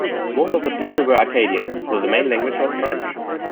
Most of the people were Acadian, so the main language was French.